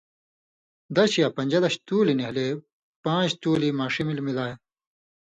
دش یا پݩژلش تولی نھیلے پاݩژ تولی ماݜی ملیۡ ملا